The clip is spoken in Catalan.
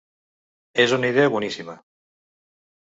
És una idea boníssima!